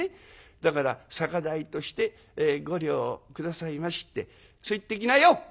『だから酒代として５両下さいまし』ってそう言ってきなよ！」。